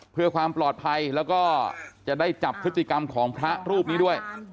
เพื่อความปลอดภัยแล้วก็จะได้จับพฤติกรรมของพระรูปนี้ด้วย